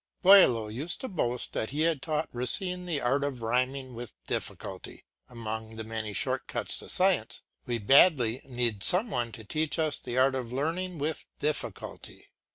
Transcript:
Boileau used to boast that he had taught Racine the art of rhyming with difficulty. Among the many short cuts to science, we badly need some one to teach us the art of learning with difficulty.